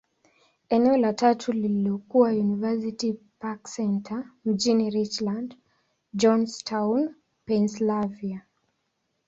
Eneo la tatu lililokuwa University Park Centre, mjini Richland, Johnstown, Pennyslvania.